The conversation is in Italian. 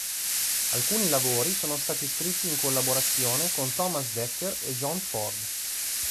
Alcuni lavori sono stati scritti in collaborazione con Thomas Dekker e John Ford.